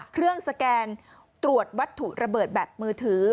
สแกนตรวจวัตถุระเบิดแบบมือถือ